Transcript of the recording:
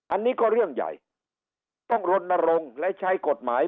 อันนี้ก็เรื่องใหญ่ต้องรณรงค์และใช้กฎหมาย